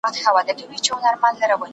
ساینس پوهان د ټیکنالوژۍ په مرسته نړۍ بدلوي.